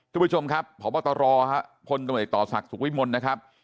ทุกผู้ชมครับพบตรพลตำรวจต่อศักดิ์สุขวิมลนะครับ